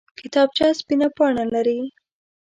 کتابچه سپینه پاڼه لري